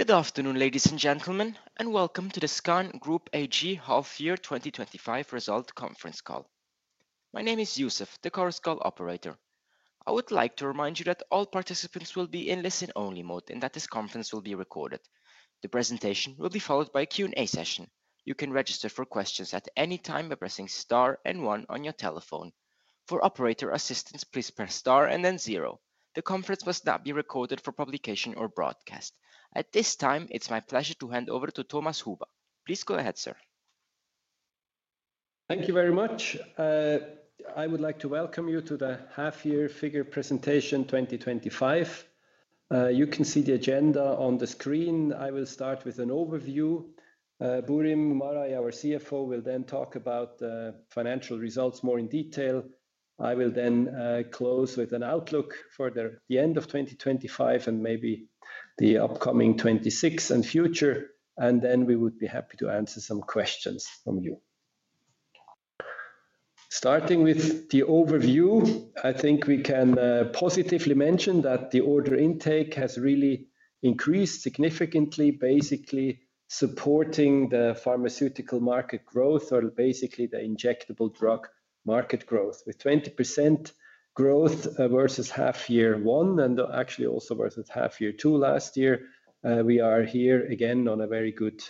Good afternoon, ladies and gentlemen, and welcome to the SKAN Group AG Half Year 2025 Result Conference Call. My name is Yusuf, the carousel operator. I would like to remind you that all participants will be in listen-only mode and that this conference will be recorded. The presentation will be followed by a Q&A session. You can register for questions at any time by pressing star and one on your telephone. For operator assistance, please press star and then zero. The conference must not be recorded for publication or broadcast. At this time, it's my pleasure to hand over to Thomas Huber. Please go ahead, sir. Thank you very much. I would like to welcome you to the Half Year Figure Presentation 2025. You can see the agenda on the screen. I will start with an overview. Burim Maraj, our CFO, will then talk about the financial results more in detail. I will then close with an outlook for the end of 2025 and maybe the upcoming 2026 and future. We would be happy to answer some questions from you. Starting with the overview, I think we can positively mention that the order intake has really increased significantly, basically supporting the pharmaceutical market growth or basically the injectable drug market growth with 20% growth versus half year one and actually also versus half year two last year. We are here again on a very good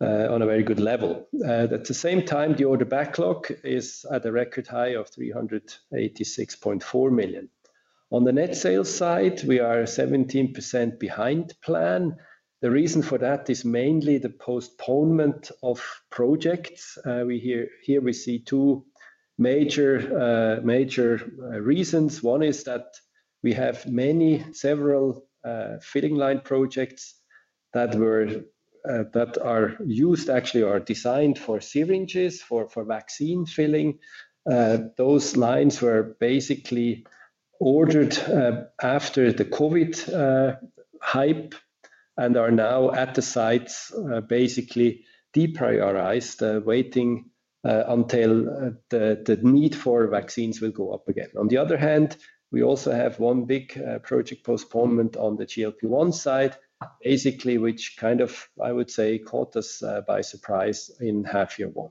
level. At the same time, the order backlog is at a record high of 386.4 million. On the net sales side, we are 17% behind plan. The reason for that is mainly the postponement of projects. Here we see two major reasons. One is that we have many, several filling line projects that are used, actually are designed for syringes for vaccine filling. Those lines were basically ordered after the COVID hype and are now at the sites, basically deprioritized, waiting until the need for vaccines will go up again. On the other hand, we also have one big project postponement on the GLP-1 side, basically, which kind of, I would say, caught us by surprise in half year one.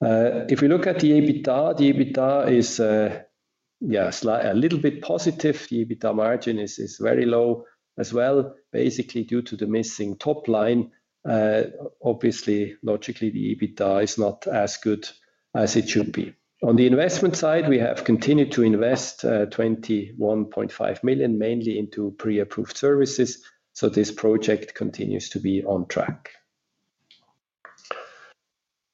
If you look at the EBITDA, the EBITDA is a little bit positive. The EBITDA margin is very low as well, basically due to the missing top line. Obviously, logically, the EBITDA is not as good as it should be. On the investment side, we have continued to invest 21.5 million, mainly into pre-approved services. This project continues to be on track.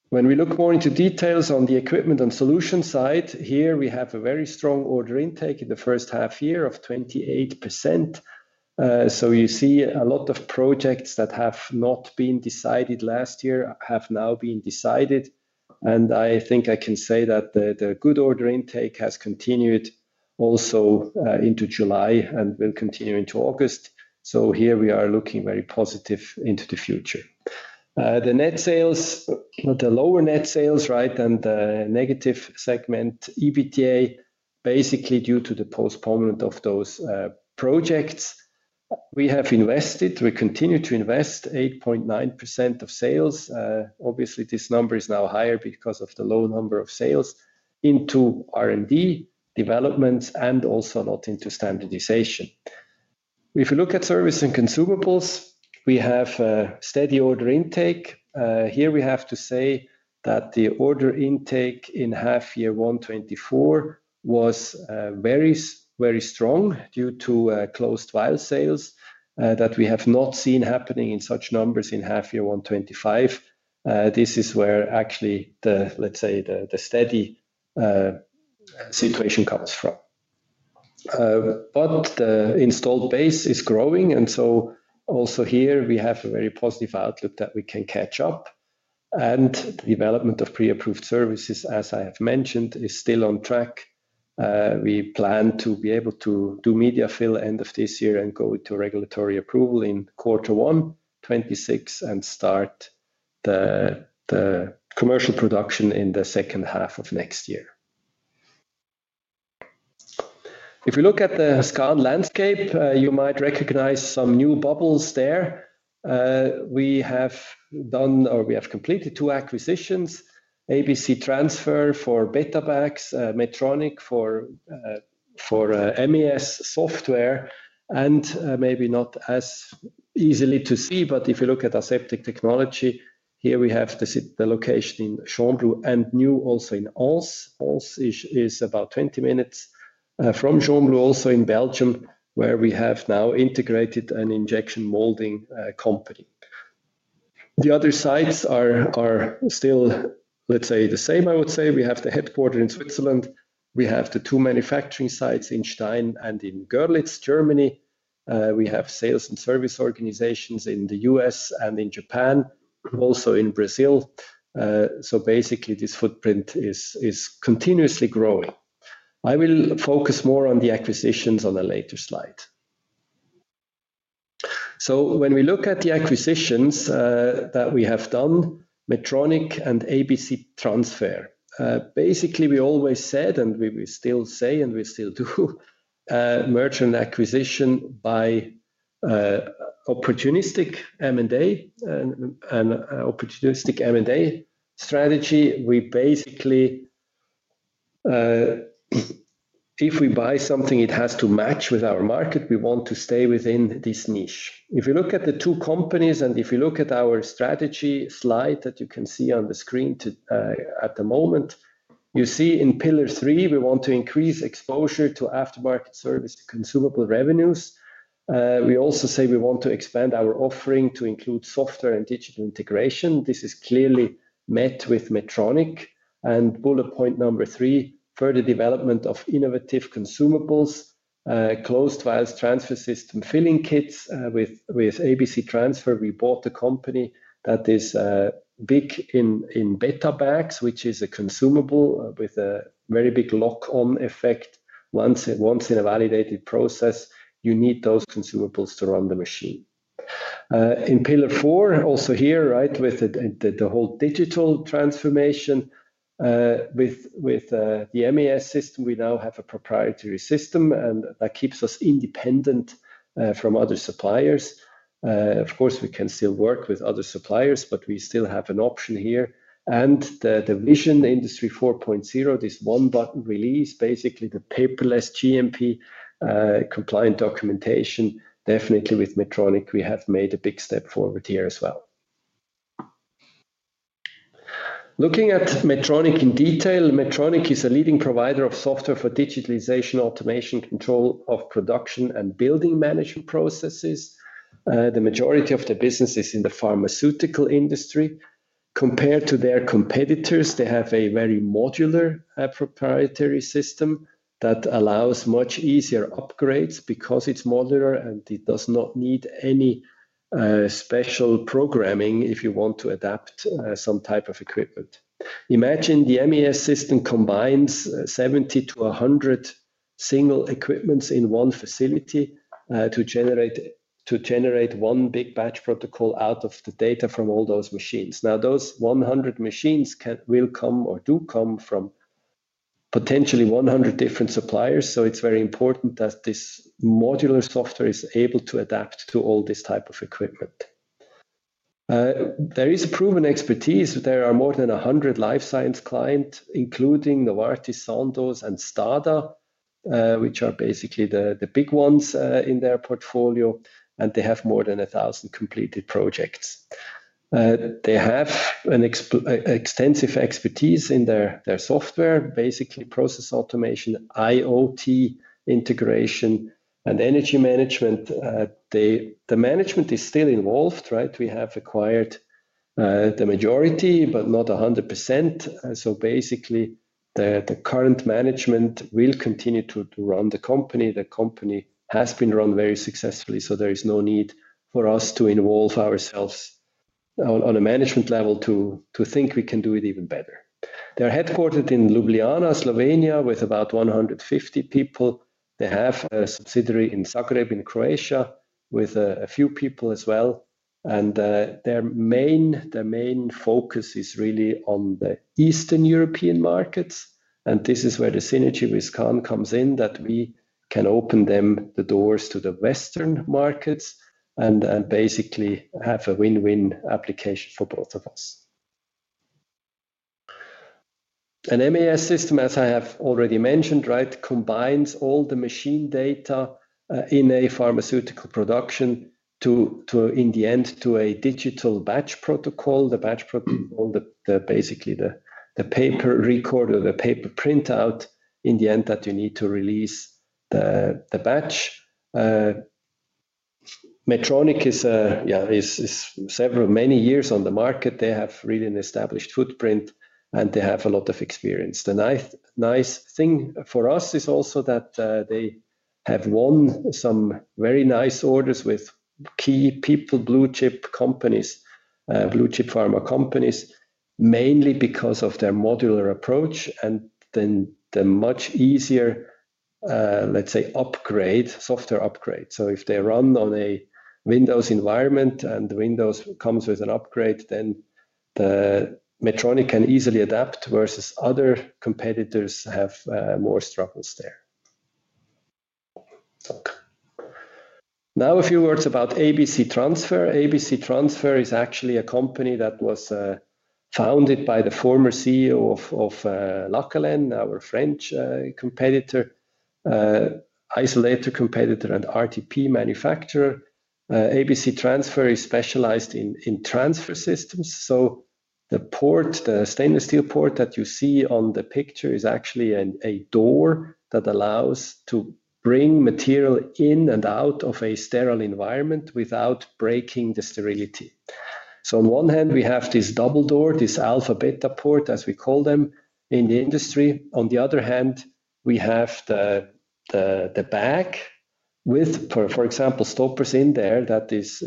When we look more into details on the equipment and solution side, here we have a very strong order intake in the first half year of 28%. You see a lot of projects that have not been decided last year have now been decided. I think I can say that the good order intake has continued also into July and will continue into August. Here we are looking very positive into the future. The net sales, the lower net sales, right, and the negative segment EBITDA, basically due to the postponement of those projects. We have invested, we continue to invest 8.9% of sales. Obviously, this number is now higher because of the low number of sales into R&D developments and also not into standardization. If you look at service and consumables, we have a steady order intake. Here we have to say that the order intake in half year one 2024 was very, very strong due to closed vial sales that we have not seen happening in such numbers in half year one 2025. This is where actually the, let's say, the steady situation comes from. The installed base is growing, and so also here we have a very positive outlook that we can catch up. The development of pre-approved services, as I have mentioned, is still on track. We plan to be able to do media fill end of this year and go into regulatory approval in quarter one 2026 and start the commercial production in the second half of next year. If you look at the SKAN landscape, you might recognize some new bubbles there. We have done, or we have completed, two acquisitions: ABC Transfer for Betabags, Medtronic for MES software, and maybe not as easily to see, but if you look at aseptic technology, here we have the location in Gembloux, and new also in Aalst. Aalst is about 20 minutes from Gembloux, also in Belgium, where we have now integrated an injection molding company. The other sites are still, let's say, the same. I would say we have the headquarters in Switzerland. We have the two manufacturing sites in Stein and in Görlitz, Germany. We have sales and service organizations in the U.S. and in Japan, also in Brazil. Basically, this footprint is continuously growing. I will focus more on the acquisitions on a later slide. When we look at the acquisitions that we have done, Medtronic and ABC Transfer, basically, we always said, and we will still say, and we still do merger and acquisition by opportunistic M&A strategy. Basically, if we buy something, it has to match with our market. We want to stay within this niche. If you look at the two companies, and if you look at our strategy slide that you can see on the screen at the moment, you see in pillar three, we want to increase exposure to aftermarket service consumable revenues. We also say we want to expand our offering to include software and digital integration. This is clearly met with Medtronic. And bullet point number three, further development of innovative consumables, closed vials transfer system filling kits. With ABC Transfer, we bought a company that is big in Betabags, which is a consumable with a very big lock-on effect. Once in a validated process, you need those consumables to run the machine. In pillar four, also here, right, with the whole digital transformation, with the MES system, we now have a proprietary system and that keeps us independent from other suppliers. Of course, we can still work with other suppliers, but we still have an option here. The vision industry 4.0, this one button release, basically the paperless GMP compliant documentation, definitely with Medtronic, we have made a big step forward here as well. Looking at Medtronic in detail, Medtronic is a leading provider of software for digitalization, automation, control of production, and building management processes. The majority of the business is in the pharmaceutical industry. Compared to their competitors, they have a very modular proprietary system that allows much easier upgrades because it's modular and it does not need any special programming if you want to adapt some type of equipment. Imagine the MES system combines 70-100 single equipments in one facility to generate one big batch protocol out of the data from all those machines. Now, those 100 machines will come or do come from potentially 100 different suppliers. It is very important that this modular software is able to adapt to all this type of equipment. There is a proven expertise. There are more than 100 life science clients, including Novartis, Sandoz, and Stada, which are basically the big ones in their portfolio, and they have more than 1,000 completed projects. They have an extensive expertise in their software, basically process automation, IoT integration, and energy management. The management is still involved, right? We have acquired the majority, but not 100%. Basically, the current management will continue to run the company. The company has been run very successfully. There is no need for us to involve ourselves on a management level to think we can do it even better. They're headquartered in Ljubljana, Slovenia, with about 150 people. They have a subsidiary in Zagreb in Croatia with a few people as well. Their main focus is really on the Eastern European markets. This is where the synergy with SKAN comes in, that we can open them the doors to the Western markets and basically have a win-win application for both of us. An MES system, as I have already mentioned, right, combines all the machine data in a pharmaceutical production to, in the end, a digital batch protocol. The batch protocol is basically the paper record or the paper printout in the end that you need to release the batch. Medtronic is several many years on the market. They have really an established footprint and they have a lot of experience. The nice thing for us is also that they have won some very nice orders with key people, blue chip companies, blue chip pharma companies, mainly because of their modular approach and then the much easier, let's say, software upgrade. If they run on a Windows environment and Windows comes with an upgrade, then Medtronic can easily adapt versus other competitors have more struggles there. Now a few words about ABC Transfer. ABC Transfer is actually a company that was founded by the former CEO of Lacolin, our French competitor, isolator competitor, and RTP manufacturer. ABC Transfer is specialized in transfer systems. The stainless steel port that you see on the picture is actually a door that allows to bring material in and out of a sterile environment without breaking the sterility. On one hand, we have this double-door, this alpha-beta port, as we call them in the industry. On the other hand, we have the bag with, for example, stoppers in there that is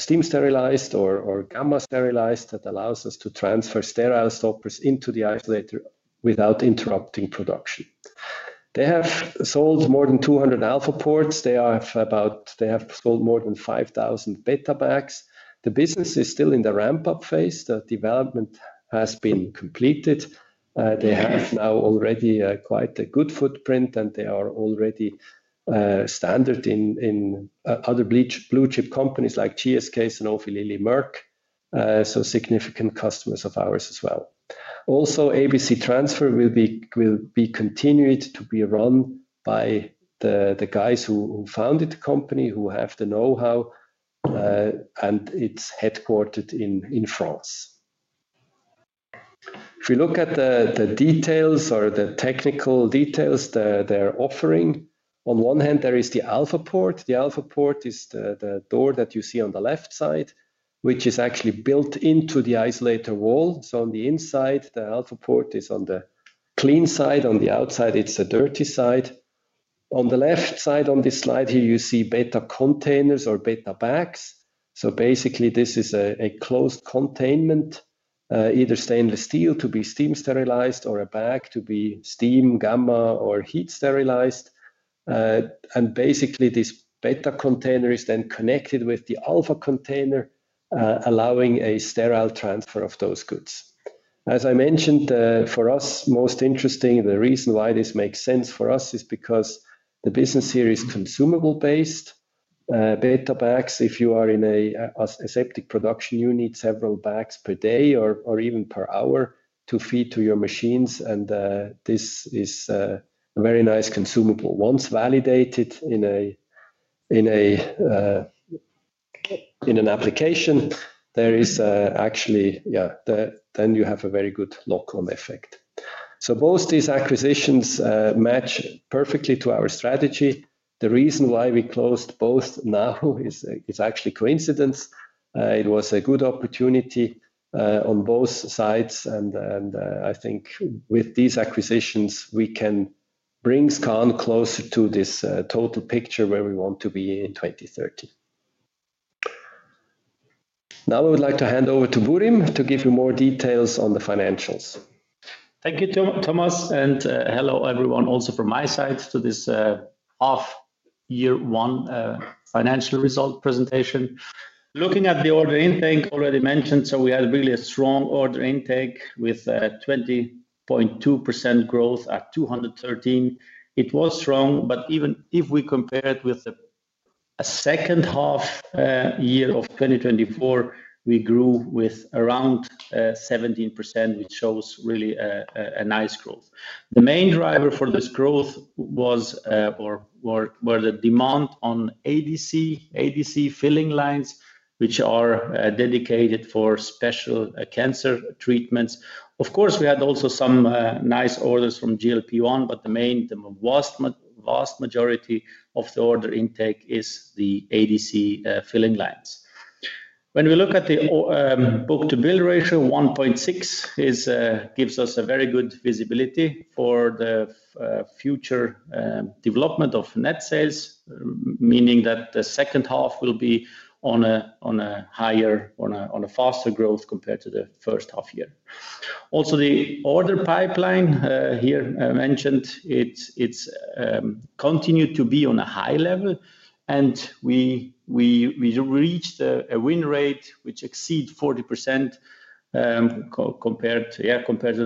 steam sterilized or gamma sterilized that allows us to transfer sterile stoppers into the isolator without interrupting production. They have sold more than 200 alpha ports. They have sold more than 5,000 Betabags. The business is still in the ramp-up phase. The development has been completed. They have now already quite a good footprint and they are already standard in other blue chip companies like GSK, Sanofi, Lilly, Merck, so significant customers of ours as well. Also, ABC Transfer will be continued to be run by the guys who founded the company, who have the know-how and it's headquartered in France. If you look at the details or the technical details they're offering, on one hand, there is the alpha port. The alpha port is the door that you see on the left side, which is actually built into the isolator wall. On the inside, the alpha port is on the clean side. On the outside, it's the dirty side. On the left side on this slide here, you see beta containers or Betabags. Basically, this is a closed containment, either stainless steel to be steam sterilized or a bag to be steam, gamma, or heat sterilized. Basically, this beta container is then connected with the alpha container, allowing a sterile transfer of those goods. As I mentioned, for us, most interesting, the reason why this makes sense for us is because the business here is consumable-based. Betabags, if you are in aseptic production, you need several bags per day or even per hour to feed to your machines. This is a very nice consumable. Once validated in an application, there is actually, yeah, then you have a very good lock-on effect. Both these acquisitions match perfectly to our strategy. The reason why we closed both now is actually coincidence. It was a good opportunity on both sides. I think with these acquisitions, we can bring SKAN closer to this total picture where we want to be in 2030. Now I would like to hand over to Burim to give you more details on the financials. Thank you, Thomas, and hello everyone also from my side to this half year one financial result presentation. Looking at the order intake, already mentioned, we had really a strong order intake with 20.2% growth at 213 million. It was strong, but even if we compare it with the second half year of 2024, we grew with around 17%, which shows really a nice growth. The main driver for this growth was or were the demand on ADC filling lines, which are dedicated for special cancer treatments. Of course, we had also some nice orders from GLP-1, but the vast majority of the order intake is the ADC filling lines. When we look at the book-to-bill ratio, 1.6 gives us a very good visibility for the future development of net sales, meaning that the second half will be on a higher, on a faster growth compared to the first half year. Also, the order pipeline here mentioned continues to be on a high level, and we reached a win rate which exceeds 40% compared to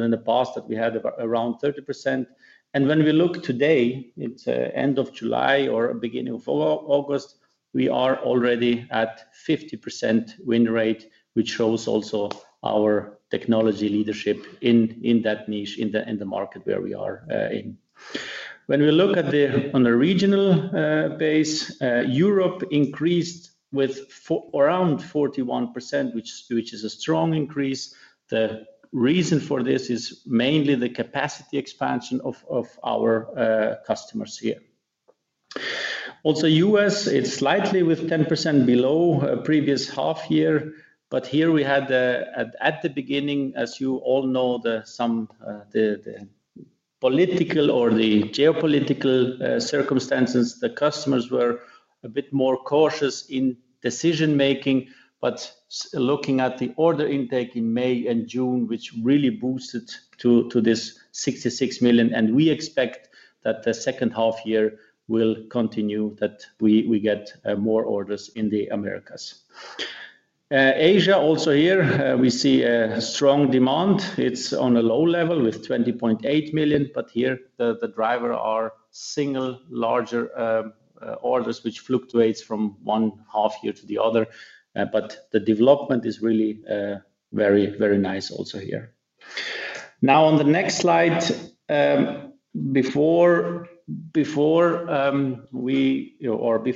in the past that we had around 30%. When we look today, it's end of July or beginning of August, we are already at 50% win rate, which shows also our technology leadership in that niche, in the market where we are in. When we look at the regional base, Europe increased with around 41%, which is a strong increase. The reason for this is mainly the capacity expansion of our customers here. Also, the U.S., it's slightly with 10% below previous half year, but here we had at the beginning, as you all know, some of the political or the geopolitical circumstances, the customers were a bit more cautious in decision making. Looking at the order intake in May and June, which really boosted to this 66 million, we expect that the second half year will continue that we get more orders in the Americas. Asia, also here, we see a strong demand. It's on a low level with 20.8 million, but here the driver are single larger orders, which fluctuates from one half year to the other. The development is really very, very nice also here. Now on the next slide, before we are going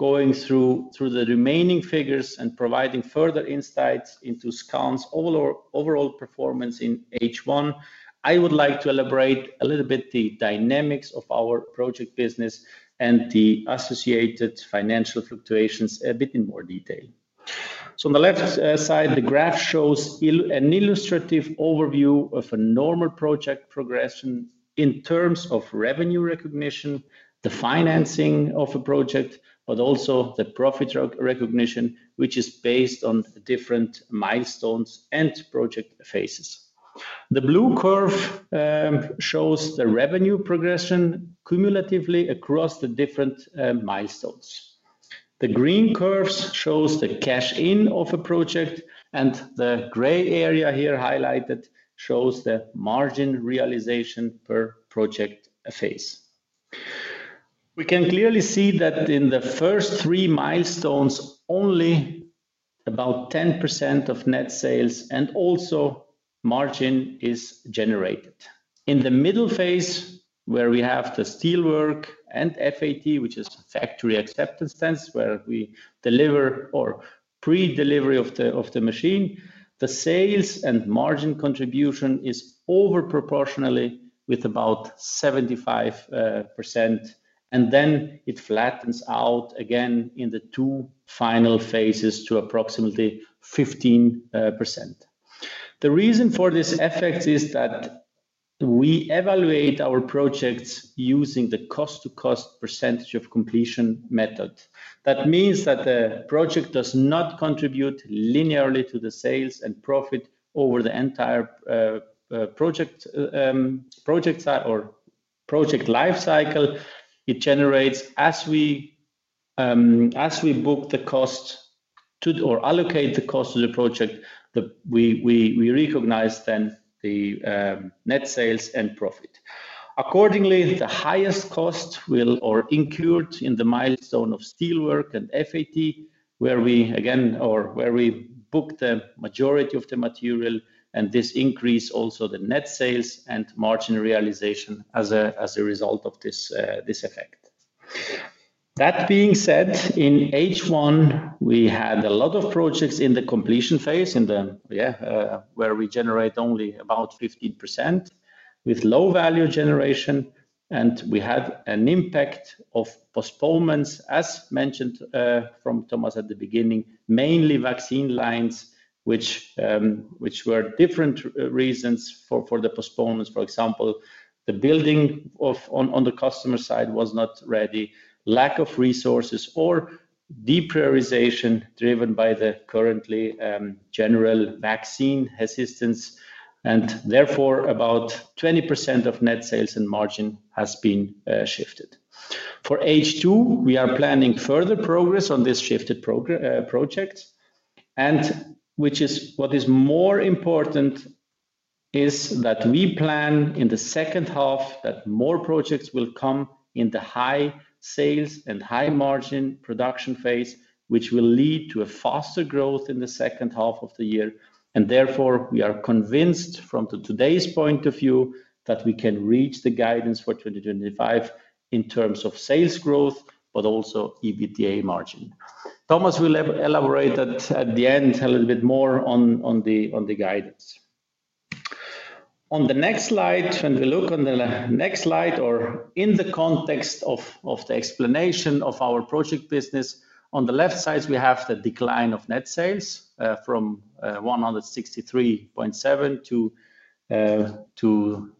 through the remaining figures and providing further insights into SKAN's overall performance in H1, I would like to elaborate a little bit the dynamics of our project business and the associated financial fluctuations a bit in more detail. On the left side, the graph shows an illustrative overview of a normal project progression in terms of revenue recognition, the financing of a project, but also the profit recognition, which is based on the different milestones and project phases. The blue curve shows the revenue progression cumulatively across the different milestones. The green curves show the cash in of a project, and the gray area here highlighted shows the margin realization per project phase. We can clearly see that in the first three milestones, only about 10% of net sales and also margin is generated. In the middle phase, where we have the steel work and FAT, which is factory acceptance tests, where we deliver or pre-delivery of the machine, the sales and margin contribution is overproportionally with about 75%. It flattens out again in the two final phases to approximately 15%. The reason for this effect is that we evaluate our projects using the cost-to-cost percentage of completion method. That means that the project does not contribute linearly to the sales and profit over the entire project or project lifecycle. It generates, as we book the cost to or allocate the cost to the project, we recognize then the net sales and profit. Accordingly, the highest cost will or incurred in the milestone of steel work and FAT, where we again, or where we book the majority of the material, and this increases also the net sales and margin realization as a result of this effect. That being said, in H1, we had a lot of projects in the completion phase, where we generate only about 15% with low value generation. We had an impact of postponements, as mentioned from Thomas at the beginning, mainly vaccine filling lines, which were different reasons for the postponements. For example, the building on the customer side was not ready, lack of resources, or deprioritization driven by the currently general vaccine assistance. Therefore, about 20% of net sales and margin has been shifted. For H2, we are planning further progress on this shifted project. What is more important is that we plan in the second half that more projects will come in the high sales and high margin production phase, which will lead to a faster growth in the second half of the year. Therefore, we are convinced from today's point of view that we can reach the guidance for 2025 in terms of sales growth, but also EBITDA margin. Thomas, we'll elaborate at the end a little bit more on the guidance. On the next slide, when we look on the next slide or in the context of the explanation of our project business, on the left side, we have the decline of net sales from 163.7 million to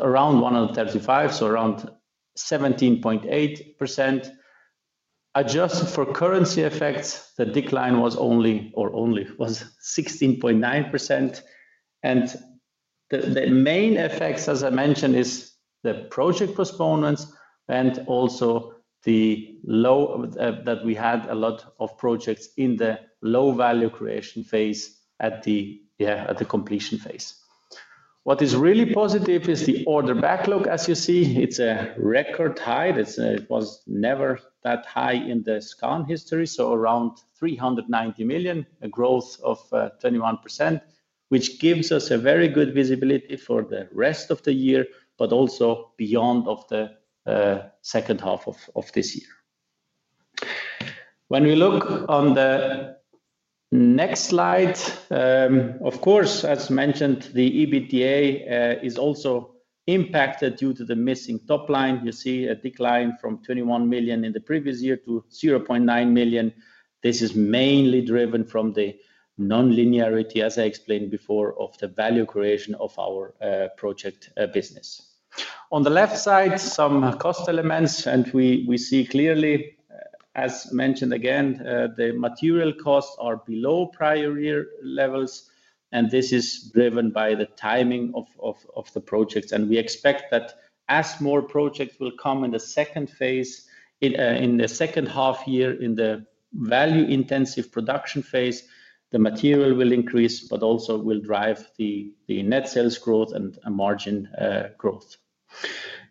around 135 million, so around 17.8%. Adjusted for currency effects, the decline was only 16.9%. The main effects, as I mentioned, are the project postponements and also that we had a lot of projects in the low value creation phase at the completion phase. What is really positive is the order backlog, as you see, it's a record high. It was never that high in the SKAN history, so around 390 million, a growth of 21%, which gives us a very good visibility for the rest of the year, but also beyond the second half of this year. When we look on the next slide, as mentioned, the EBITDA is also impacted due to the missing top line. You see a decline from 21 million in the previous year to 0.9 million. This is mainly driven from the non-linearity, as I explained before, of the value creation of our project business. On the left side, some cost elements, and we see clearly, as mentioned again, the material costs are below prior year levels, and this is driven by the timing of the projects. We expect that as more projects will come in the second phase, in the second half year, in the value intensive production phase, the material will increase, but also will drive the net sales growth and margin growth.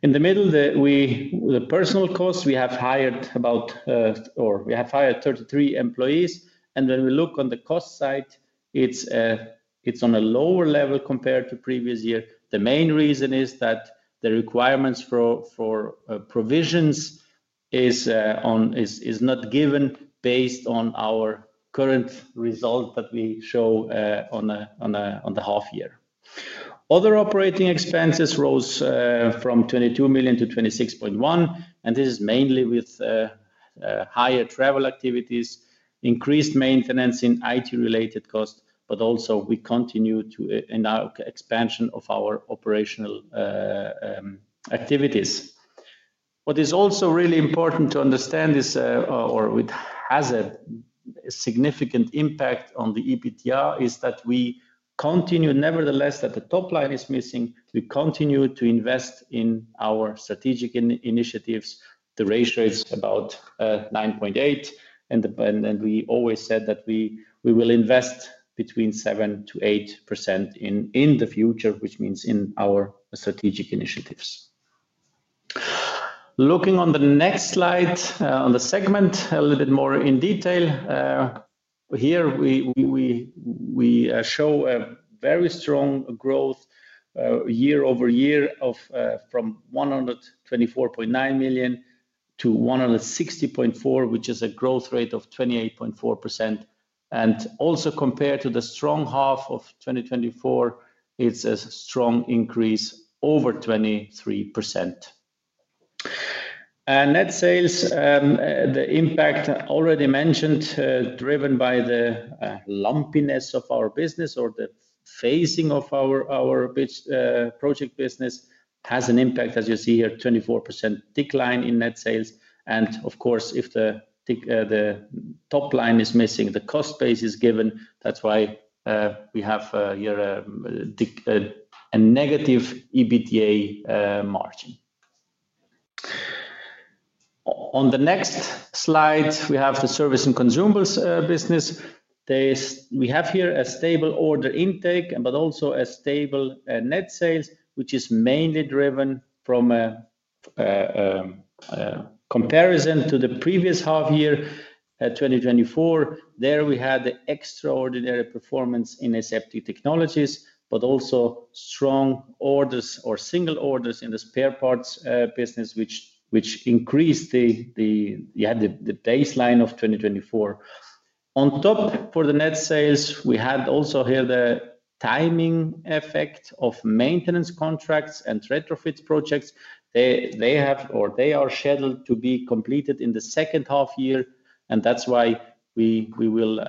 In the middle, the personnel cost, we have hired about, or we have hired 33 employees. When we look on the cost side, it's on a lower level compared to the previous year. The main reason is that the requirements for provisions are not given based on our current result that we show on the half year. Other operating expenses rose from 22 million-26.1 million, and this is mainly with higher travel activities, increased maintenance in IT-related costs, but also we continue in our expansion of our operational activities. What is also really important to understand is, or with a significant impact on the EBITDA, is that we continue, nevertheless, that the top line is missing, we continue to invest in our strategic initiatives. The ratio is about 9.8%, and we always said that we will invest between 7% -8% in the future, which means in our strategic initiatives. Looking on the next slide, on the segment, a little bit more in detail, here we show a very strong growth year over year from 124.9 million-160.4 million, which is a growth rate of 28.4%. Also, compared to the strong half of 2024, it's a strong increase over 23%. Net sales, the impact already mentioned, driven by the lumpiness of our business or the phasing of our project business, has an impact, as you see here, 24% decline in net sales. If the top line is missing, the cost base is given. That's why we have here a negative EBITDA margin. On the next slide, we have the service and consumables business. We have here a stable order intake, but also a stable net sales, which is mainly driven from a comparison to the previous half year, 2024. There we had the extraordinary performance in aseptic technologies, but also strong orders or single orders in the spare parts business, which increased the baseline of 2024. On top for the net sales, we had also here the timing effect of maintenance contracts and retrofit projects. They have or they are scheduled to be completed in the second half year, and that's why we will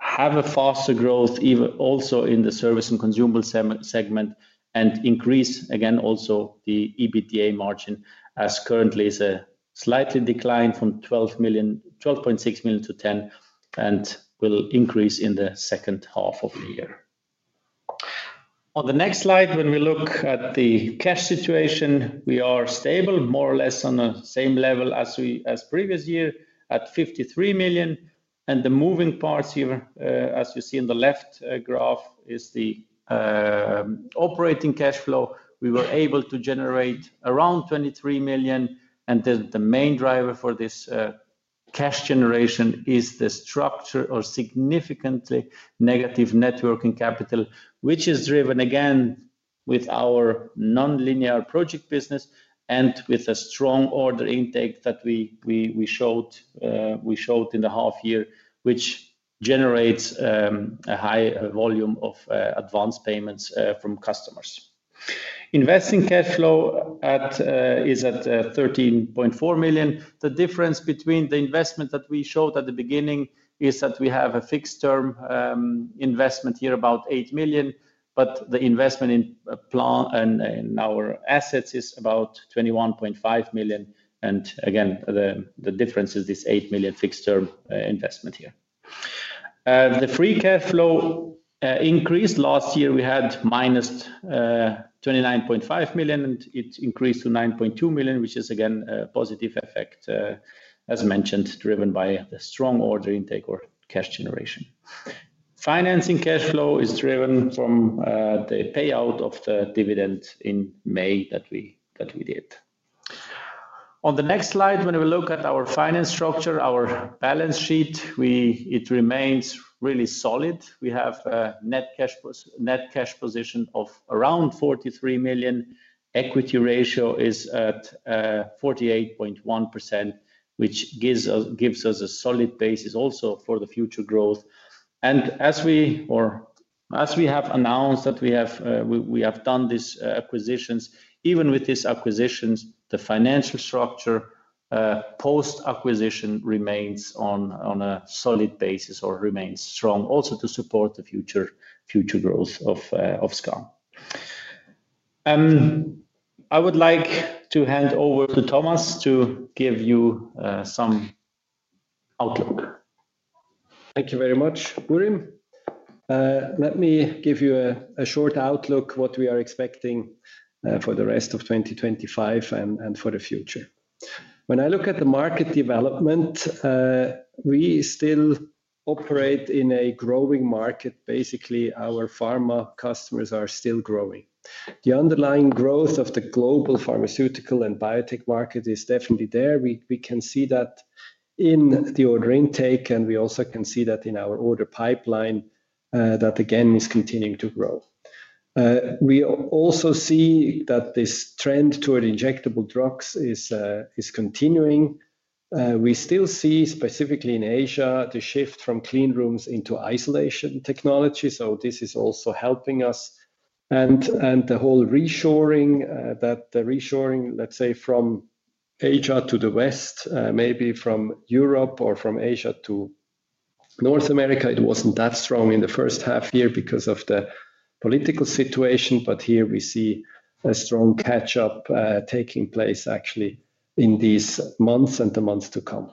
have a faster growth also in the service and consumables segment and increase again also the EBITDA margin, as currently is a slight decline from 12.6 million to 10 million and will increase in the second half of the year. On the next slide, when we look at the cash situation, we are stable more or less on the same level as previous year at 53 million. The moving parts here, as you see in the left graph, is the operating cash flow. We were able to generate around 23 million, and the main driver for this cash generation is the structure or significantly negative net working capital, which is driven again with our non-linear project business and with a strong order intake that we showed in the half year, which generates a high volume of advanced payments from customers. Investing cash flow is at 13.4 million. The difference between the investment that we showed at the beginning is that we have a fixed term investment here about 8 million, but the investment in our assets is about 21.5 million. The difference is this 8 million fixed term investment here. The free cash flow increased last year. We had -29.5 million, and it increased to 9.2 million, which is again a positive effect, as mentioned, driven by the strong order intake or cash generation. Financing cash flow is driven from the payout of the dividend in May that we did. On the next slide, when we look at our finance structure, our balance sheet, it remains really solid. We have a net cash position of around 43 million. Equity ratio is at 48.1%, which gives us a solid basis also for the future growth. As we have announced that we have done these acquisitions, even with these acquisitions, the financial structure post-acquisition remains on a solid basis or remains strong, also to support the future growth of SKAN. I would like to hand over to Thomas to give you some outlook. Thank you very much, Burim. Let me give you a short outlook of what we are expecting for the rest of 2025 and for the future. When I look at the market development, we still operate in a growing market. Basically, our pharma customers are still growing. The underlying growth of the global pharmaceutical and biotech market is definitely there. We can see that in the order intake, and we also can see that in our order pipeline that again is continuing to grow. We also see that this trend toward injectable drugs is continuing. We still see, specifically in Asia, the shift from clean rooms into isolation technology. This is also helping us. The whole reshoring, that the reshoring, let's say, from Asia to the West, maybe from Europe or from Asia to North America, it wasn't that strong in the first half year because of the political situation. Here we see a strong catch-up taking place actually in these months and the months to come.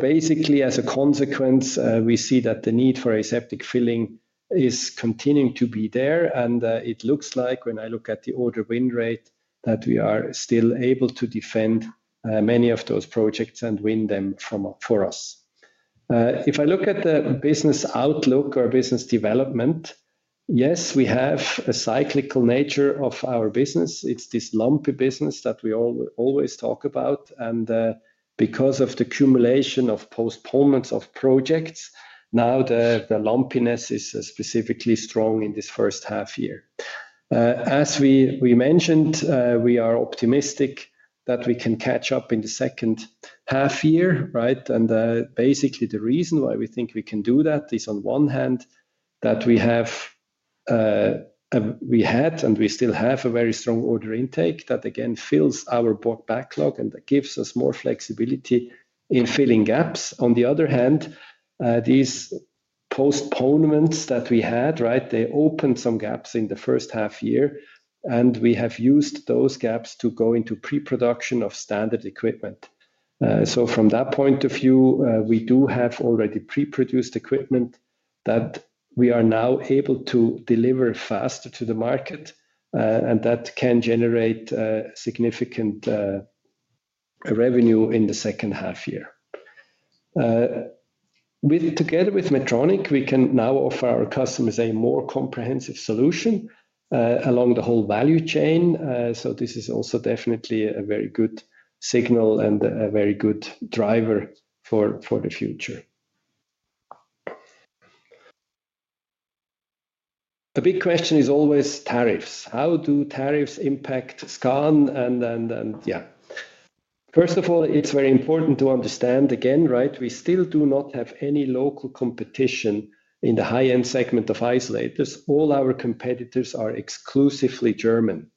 Basically, as a consequence, we see that the need for aseptic filling is continuing to be there. It looks like, when I look at the order win rate, that we are still able to defend many of those projects and win them for us. If I look at the business outlook or business development, yes, we have a cyclical nature of our business. It's this lumpy business that we always talk about. Because of the accumulation of postponements of projects, now the lumpiness is specifically strong in this first half year. As we mentioned, we are optimistic that we can catch up in the second half year. The reason why we think we can do that is, on one hand, that we had and we still have a very strong order intake that again fills our order backlog and that gives us more flexibility in filling gaps. On the other hand, these postponements that we had, they opened some gaps in the first half year, and we have used those gaps to go into pre-production of standard equipment. From that point of view, we do have already pre-produced equipment that we are now able to deliver faster to the market, and that can generate significant revenue in the second half year. Together with Medtronic, we can now offer our customers a more comprehensive solution along the whole value chain. This is also definitely a very good signal and a very good driver for the future. A big question is always tariffs. How do tariffs impact SKAN? First of all, it's very important to understand again, right, we still do not have any local competition in the high-end segment of isolators. All our competitors are exclusively German.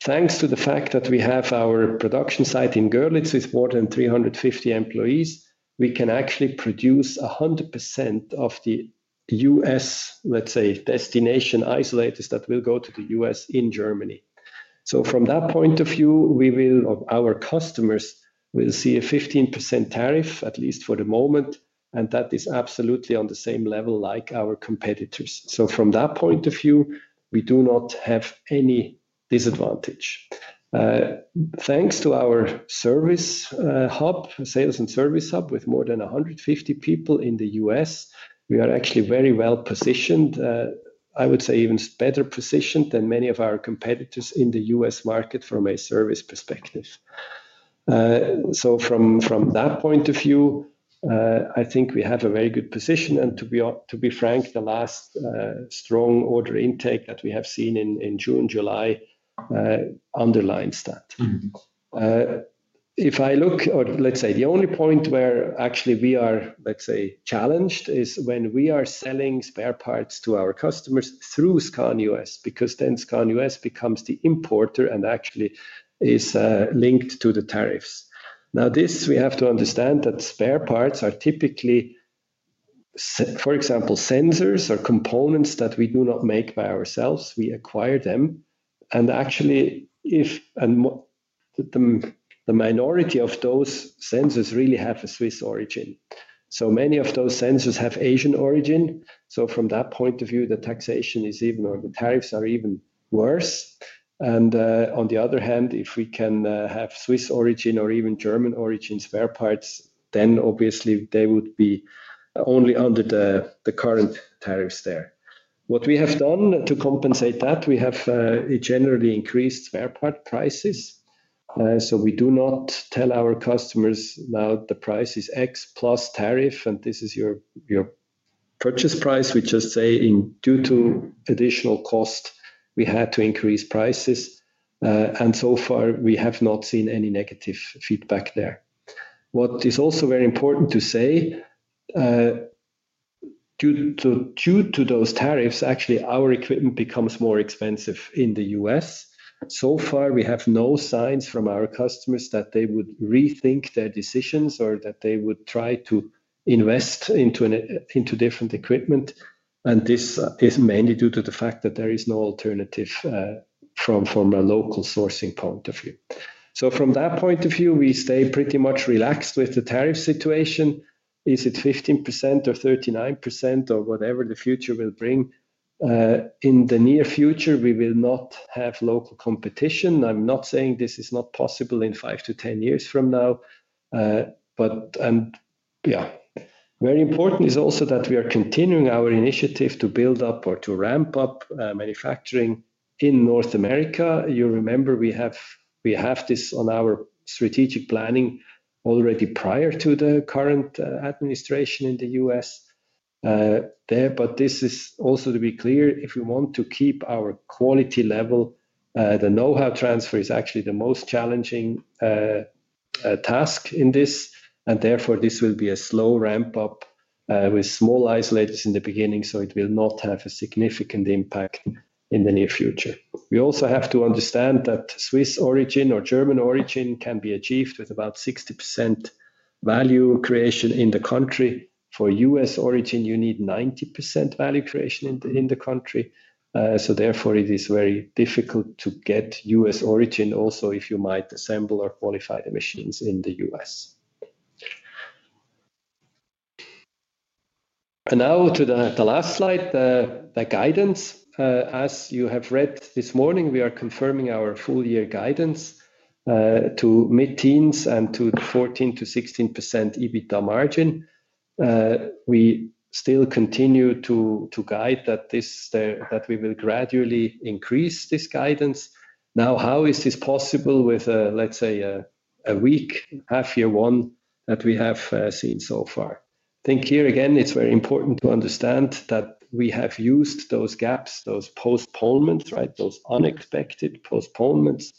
Thanks to the fact that we have our production site in Görlitz with more than 350 employees, we can actually produce 100% of the U.S., let's say, destination isolators that will go to the U.S. in Germany. From that point of view, our customers will see a 15% tariff, at least for the moment, and that is absolutely on the same level as our competitors. From that point of view, we do not have any disadvantage. Thanks to our service hub, sales and service hub with more than 150 people in the U.S., we are actually very well positioned. I would say even better positioned than many of our competitors in the U.S. market from a service perspective. From that point of view, I think we have a very good position. To be frank, the last strong order intake that we have seen in June, July underlines that. If I look, or let's say the only point where actually we are, let's say, challenged is when we are selling spare parts to our customers through SKAN U.S., because then SKAN U.S. becomes the importer and actually is linked to the tariffs. Now, we have to understand that spare parts are typically, for example, sensors or components that we do not make by ourselves. We acquire them. Actually, the minority of those sensors really have a Swiss origin. Many of those sensors have Asian origin. From that point of view, the taxation is even, or the tariffs are even worse. On the other hand, if we can have Swiss origin or even German origin spare parts, then obviously they would be only under the current tariffs there. What we have done to compensate that, we have generally increased spare part prices. We do not tell our customers now the price is X plus tariff, and this is your purchase price. We just say due to additional cost, we had to increase prices. So far, we have not seen any negative feedback there. What is also very important to say, due to those tariffs, actually, our equipment becomes more expensive in the U.S. So far, we have no signs from our customers that they would rethink their decisions or that they would try to invest into different equipment. This is mainly due to the fact that there is no alternative from a local sourcing point of view. From that point of view, we stay pretty much relaxed with the tariff situation. Is it 15% or 39% or whatever the future will bring? In the near future, we will not have local competition. I'm not saying this is not possible in five to ten years from now. Very important is also that we are continuing our initiative to build up or to ramp up manufacturing in North America. You remember, we have this on our strategic planning already prior to the current administration in the U.S. there. This is also to be clear, if we want to keep our quality level, the know-how transfer is actually the most challenging task in this. Therefore, this will be a slow ramp-up with small isolators in the beginning. It will not have a significant impact in the near future. We also have to understand that Swiss origin or German origin can be achieved with about 60% value creation in the country. For U.S. origin, you need 90% value creation in the country. Therefore, it is very difficult to get U.S. origin also if you might assemble or qualify the machines in the U.S. Now to the last slide, the guidance. As you have read this morning, we are confirming our full-year guidance to mid-teens and to 14%-16% EBITDA margin. We still continue to guide that we will gradually increase this guidance. Now, how is this possible with, let's say, a weak half year one that we have seen so far? I think here again, it's very important to understand that we have used those gaps, those postponements, right, those unexpected postponements.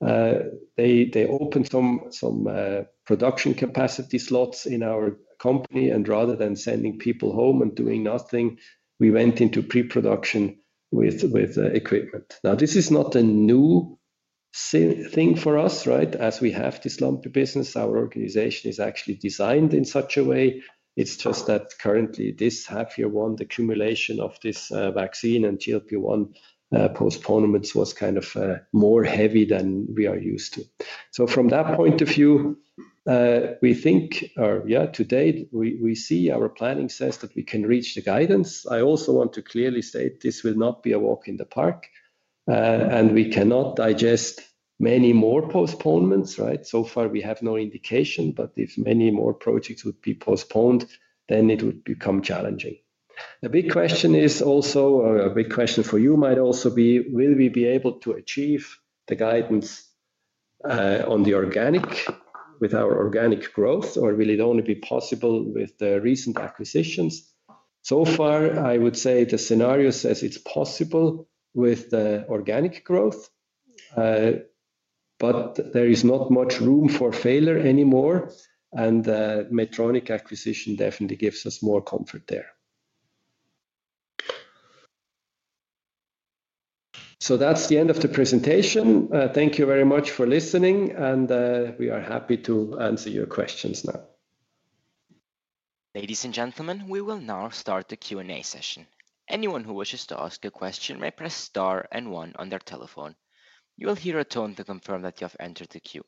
They opened some production capacity slots in our company, and rather than sending people home and doing nothing, we went into pre-production with equipment. This is not a new thing for us, right? As we have this lumpy business, our organization is actually designed in such a way. It's just that currently, this half year one, the accumulation of this vaccine and GLP-1 postponements was kind of more heavy than we are used to. From that point of view, we think, or yeah, today we see our planning says that we can reach the guidance. I also want to clearly state this will not be a walk in the park. We cannot digest many more postponements, right? So far, we have no indication, but if many more projects would be postponed, it would become challenging. The big question is also, or a big question for you might also be, will we be able to achieve the guidance on the organic with our organic growth, or will it only be possible with the recent acquisitions? So far, I would say the scenario says it's possible with the organic growth, but there is not much room for failure anymore. The Medtronic acquisition definitely gives us more comfort there. That's the end of the presentation. Thank you very much for listening, and we are happy to answer your questions now. Ladies and gentlemen, we will now start the Q&A session. Anyone who wishes to ask a question may press star and one on their telephone. You will hear a tone to confirm that you have entered the queue.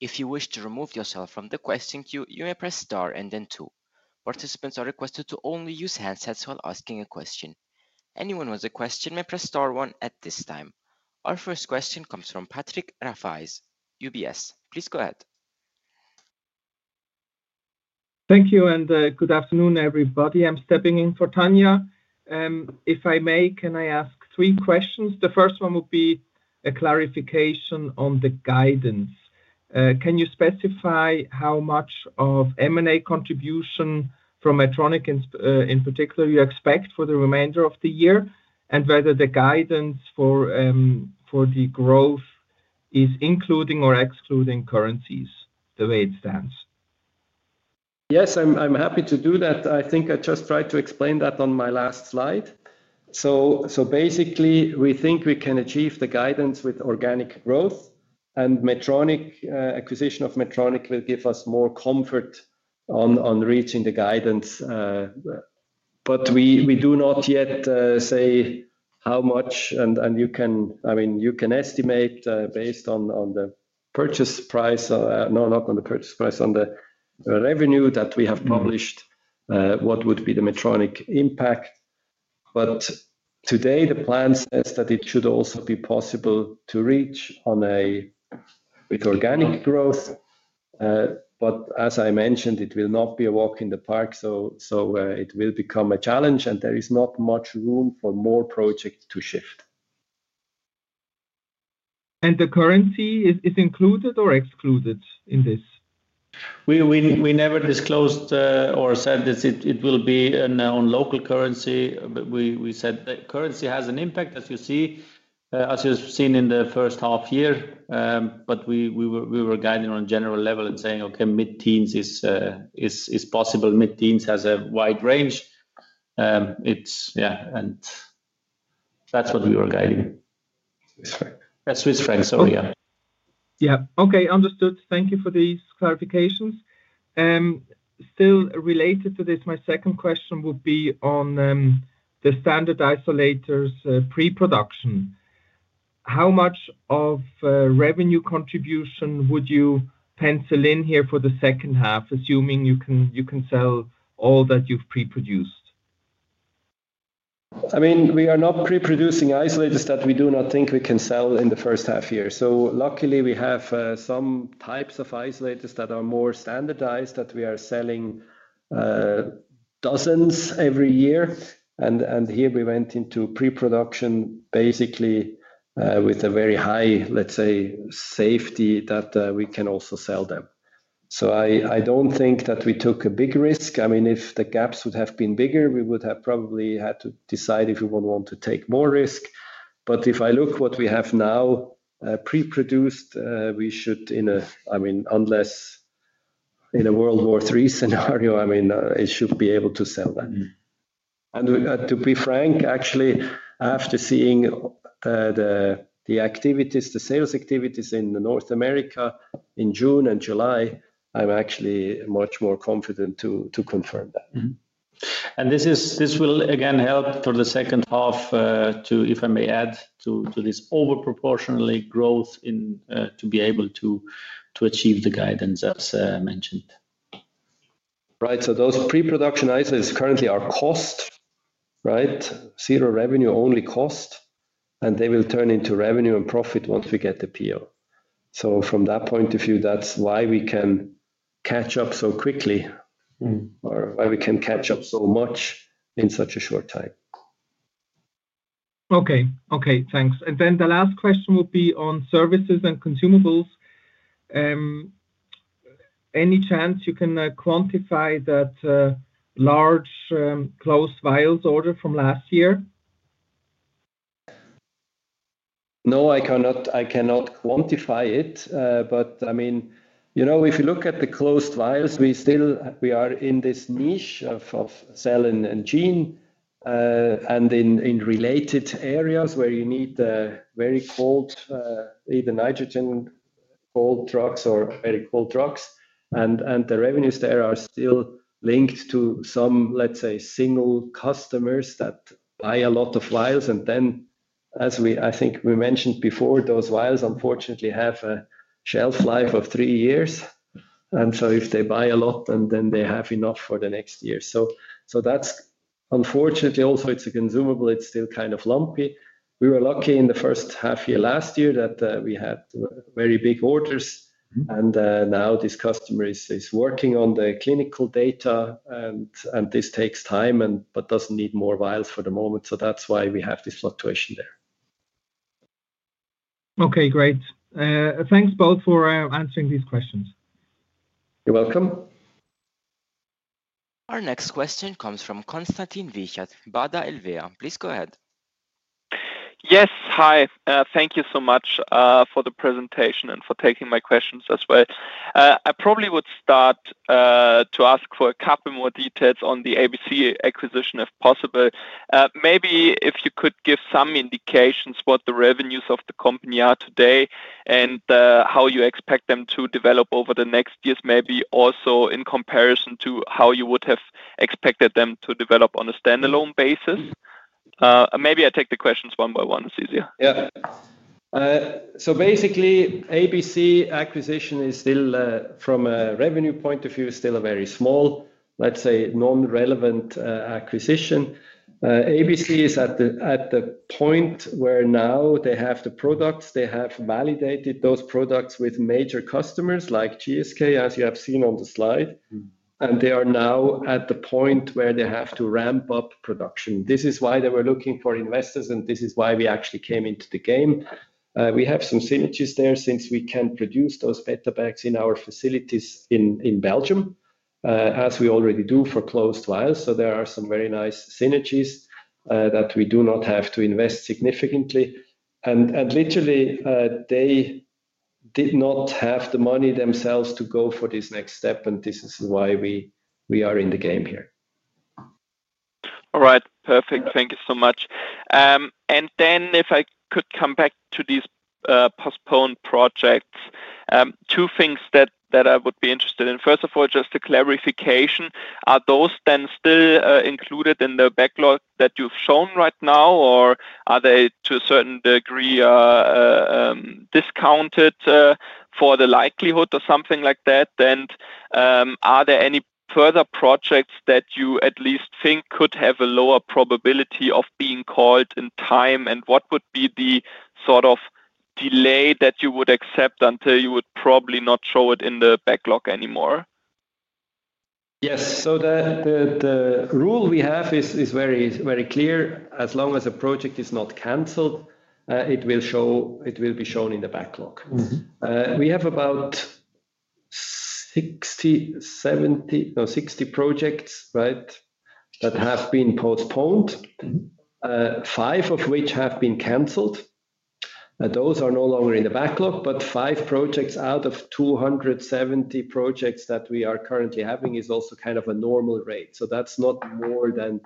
If you wish to remove yourself from the question queue, you may press star and then two. Participants are requested to only use handsets while asking a question. Anyone with a question may press star one at this time. Our first question comes from Patrick Rafaisz, UBS. Please go ahead. Thank you, and good afternoon, everybody. I'm stepping in for Tanya. If I may, can I ask three questions? The first one would be a clarification on the guidance. Can you specify how much of M&A contribution from Medtronic in particular you expect for the remainder of the year and whether the guidance for the growth is including or excluding currencies the way it stands? Yes, I'm happy to do that. I think I just tried to explain that on my last slide. Basically, we think we can achieve the guidance with organic growth, and acquisition of Medtronic will give us more comfort on reaching the guidance. We do not yet say how much, and you can, I mean, you can estimate based on the purchase price, no, not on the purchase price, on the revenue that we have published, what would be the Medtronic impact. Today, the plan says that it should also be possible to reach with organic growth. As I mentioned, it will not be a walk in the park, so it will become a challenge, and there is not much room for more projects to shift. The currency is included or excluded in this? We never disclosed or said that it will be now in local currency. We said the currency has an impact, as you see, as you've seen in the first half year. We were guiding on a general level and saying, okay, mid-teens is possible. Mid-teens has a wide range. Yeah, and that's what we were guiding. That's Swiss francs, so yeah. Yeah. Okay, understood. Thank you for these clarifications. Still related to this, my second question would be on the standard isolators pre-production. How much of revenue contribution would you pencil in here for the second half, assuming you can sell all that you've pre-produced? I mean, we are not pre-producing isolators that we do not think we can sell in the first half year. Luckily, we have some types of isolators that are more standardized that we are selling dozens every year. Here we went into pre-production, basically with a very high, let's say, safety that we can also sell them. I don't think that we took a big risk. If the gaps would have been bigger, we would have probably had to decide if we would want to take more risk. If I look at what we have now pre-produced, we should, unless in a World War III scenario, be able to sell them. To be frank, actually, after seeing the sales activities in North America in June and July, I'm actually much more confident to confirm that. This will again help for the second half to, if I may add, to this overproportionally growth to be able to achieve the guidance that's mentioned. Right. Those pre-production isolators currently are cost, right? Zero revenue, only cost, and they will turn into revenue and profit once we get the PO. From that point of view, that's why we can catch up so quickly or why we can catch up so much in such a short time. Okay, okay, thanks. The last question will be on services and consumables. Any chance you can quantify that large closed vials order from last year? No, I cannot quantify it. I mean, you know, if you look at the closed vials, we still are in this niche of cell and gene and in related areas where you need the very cold, either nitrogen cold drugs or very cold drugs. The revenues there are still linked to some, let's say, single customers that buy a lot of vials. As I think we mentioned before, those vials unfortunately have a shelf life of three years. If they buy a lot, then they have enough for the next year. That's unfortunately also, it's a consumable. It's still kind of lumpy. We were lucky in the first half year last year that we had very big orders. Now this customer is working on the clinical data, and this takes time but doesn't need more vials for the moment. That's why we have this fluctuation there. Okay, great. Thanks both for answering these questions. You're welcome. Our next question comes from Konstantin Wiechert, Baader-Helvea. Please go ahead. Yes, hi. Thank you so much for the presentation and for taking my questions as well. I probably would start to ask for a couple more details on the ABC acquisition if possible. Maybe if you could give some indications what the revenues of the company are today and how you expect them to develop over the next years, maybe also in comparison to how you would have expected them to develop on a standalone basis. Maybe I take the questions one by one as easier. Yeah. Basically, the ABC acquisition is still, from a revenue point of view, a very small, let's say, non-relevant acquisition. ABC is at the point where now they have the products. They have validated those products with major customers like GSK, as you have seen on the slide. They are now at the point where they have to ramp up production. This is why they were looking for investors, and this is why we actually came into the game. We have some synergies there since we can produce those Betabags in our facilities in Belgium, as we already do for closed vials. There are some very nice synergies that we do not have to invest significantly. Literally, they did not have the money themselves to go for this next step, and this is why we are in the game here. All right, perfect. Thank you so much. If I could come back to these postponed projects, two things that I would be interested in. First of all, just a clarification. Are those then still included in the backlog that you've shown right now, or are they to a certain degree discounted for the likelihood or something like that? Are there any further projects that you at least think could have a lower probability of being called in time? What would be the sort of delay that you would accept until you would probably not show it in the backlog anymore? Yes. The rule we have is very, very clear. As long as a project is not canceled, it will show, it will be shown in the backlog. We have about 60, 70, no, 60 projects, right, that have been postponed, five of which have been canceled. Those are no longer in the backlog, but five projects out of 270 projects that we are currently having is also kind of a normal rate. That's not more than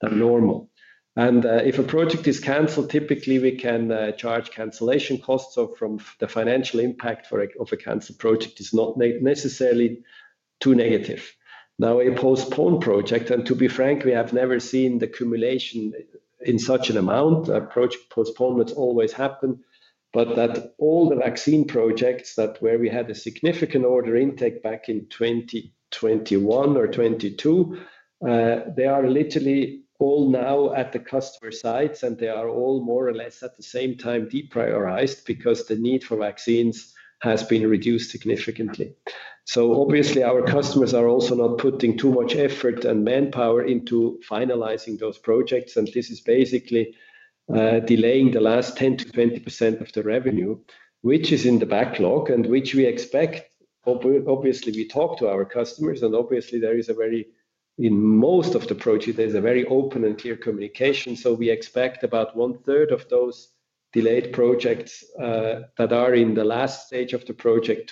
a normal. If a project is canceled, typically we can charge cancellation costs, so the financial impact of a canceled project is not necessarily too negative. Now, a postponed project, to be frank, we have never seen the accumulation in such an amount. Project postponements always happen. All the vaccine projects where we had a significant order intake back in 2021 or 2022, they are literally all now at the customer sites, and they are all more or less at the same time deprioritized because the need for vaccines has been reduced significantly. Obviously, our customers are also not putting too much effort and manpower into finalizing those projects. This is basically delaying the last 10%-20% of the revenue, which is in the backlog and which we expect. Obviously, we talk to our customers, and there is, in most of the projects, a very open and clear communication. We expect about 1/3 of those delayed projects that are in the last stage of the project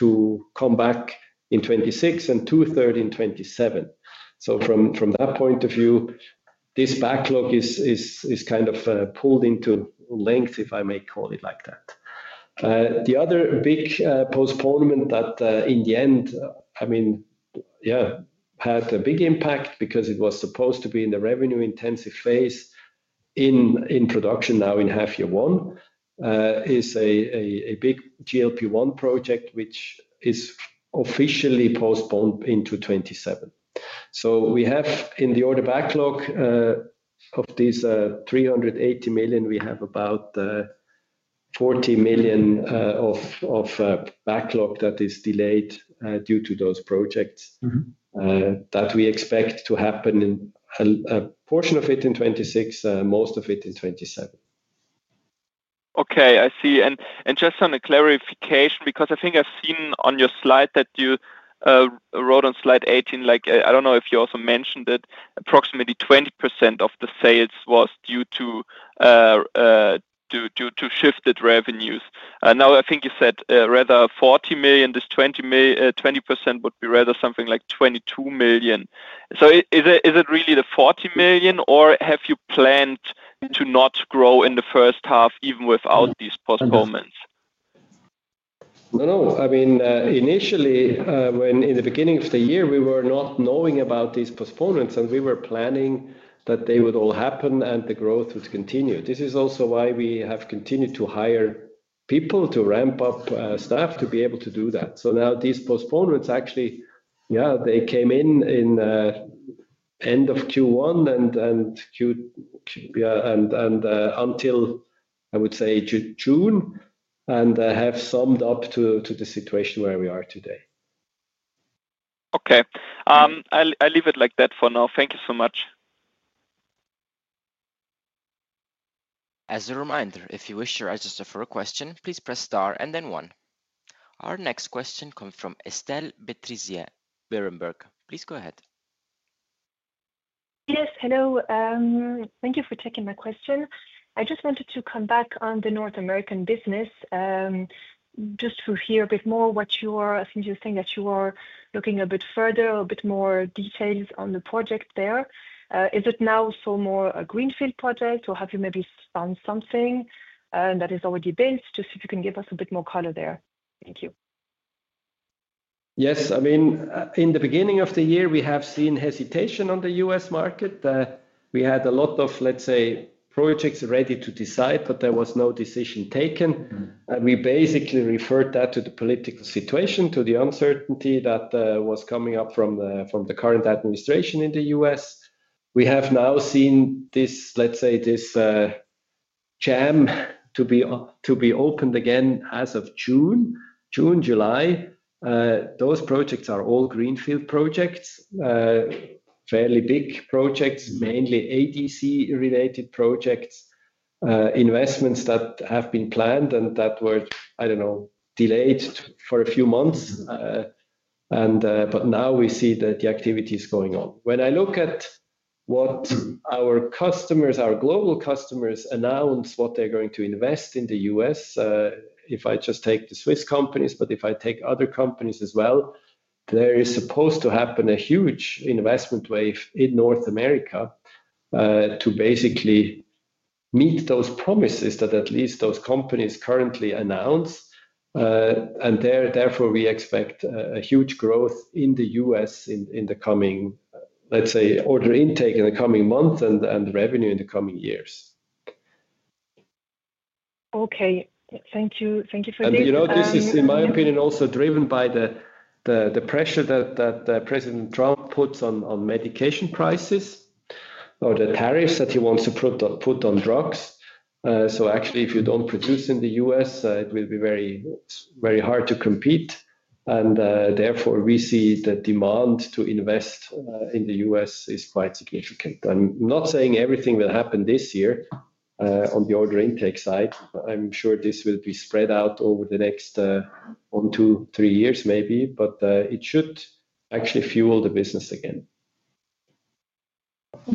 to come back in 2026 and 2/3 in 2027. From that point of view, this backlog is kind of pulled into length, if I may call it like that. The other big postponement that in the end had a big impact because it was supposed to be in the revenue-intensive phase in production now in half year one is a big GLP-1 project, which is officially postponed into 2027. We have in the order backlog of these 380 million, about 40 million of backlog that is delayed due to those projects that we expect to happen, a portion of it in 2026, most of it in 2027. Okay, I see. Just on a clarification, because I think I've seen on your slide that you wrote on slide 18, like I don't know if you also mentioned it, approximately 20% of the sales was due to shifted revenues. I think you said rather 40 million, this 20% would be rather something like 22 million. Is it really the 40 million, or have you planned to not grow in the first half even without these postponements? No, no. I mean, initially, in the beginning of the year, we were not knowing about these postponements, and we were planning that they would all happen and the growth would continue. This is also why we have continued to hire people to ramp up staff to be able to do that. Now these postponements actually, yeah, they came in at the end of Q1 and until, I would say, June, and have summed up to the situation where we are today. Okay, I'll leave it like that for now. Thank you so much. As a reminder, if you wish to register for a question, please press star and then one. Our next question comes from Estelle Bétrisey at Berenberg. Please go ahead. Yes, hello. Thank you for taking my question. I just wanted to come back on the North American business to hear a bit more what you are, since you're saying that you are looking a bit further, a bit more details on the project there. Is it now more a Greenfield project, or have you maybe found something that is already built? If you can give us a bit more color there. Thank you. Yes. In the beginning of the year, we have seen hesitation on the U.S. market. We had a lot of, let's say, projects ready to decide, but there was no decision taken. We basically referred that to the political situation, to the uncertainty that was coming up from the current administration in the U.S. We have now seen this, let's say, this jam to be opened again as of June, June-July. Those projects are all Greenfield projects, fairly big projects, mainly ADC-related projects, investments that have been planned and that were, I don't know, delayed for a few months. Now we see that the activity is going up. When I look at what our customers, our global customers, announce what they're going to invest in the U.S., if I just take the Swiss companies, but if I take other companies as well, there is supposed to happen a huge investment wave in North America to basically meet those promises that at least those companies currently announce. Therefore, we expect a huge growth in the U.S. in the coming, let's say, order intake in the coming month and revenue in the coming years. Okay, thank you. Thank you for this. In my opinion, this is also driven by the pressure that President Trump puts on medication prices or the tariffs that he wants to put on drugs. Actually, if you don't produce in the U.S., it will be very, very hard to compete. Therefore, we see the demand to invest in the U.S. is quite significant. I'm not saying everything will happen this year on the order intake side. I'm sure this will be spread out over the next one, two, three years, maybe, but it should actually fuel the business again.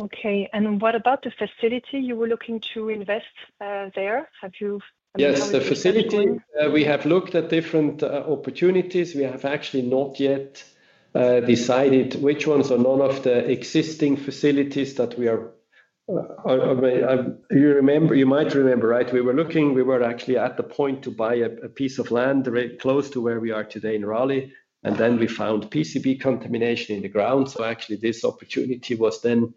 Okay. What about the facility you were looking to invest there? Have you? Yes, the facility, we have looked at different opportunities. We have actually not yet decided which ones are none of the existing facilities that we are. You might remember, right? We were looking, we were actually at the point to buy a piece of land close to where we are today in Raleigh, and then we found PCB contamination in the ground. This opportunity was then